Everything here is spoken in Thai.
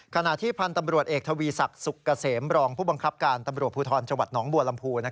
ขณะที่พันธ์ตำรวจเอกทวีศักดิ์สุกเกษมรองผู้บังคับการตำรวจภูทรจังหวัดหนองบัวลำพู